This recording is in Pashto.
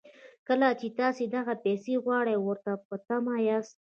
کله چې تاسې دغه پيسې غواړئ او ورته په تمه ياست.